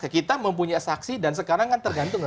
kita mempunyai saksi dan sekarang kan tergantung nggak